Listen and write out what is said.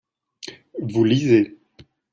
vous lisez.